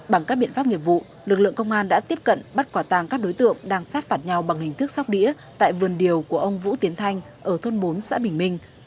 bằng các biện pháp nghiệp vụ lực lượng công an đã tiếp cận bắt quả tàng các đối tượng đang sát phạt nhau bằng hình thức sóc đĩa tại vườn điều của ông vũ tiến thanh ở thôn bốn xã bình minh